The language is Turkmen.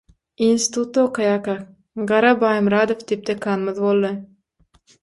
Institutda okaýarkak, Gara Baýmyradow diýip dekanymyz boldy.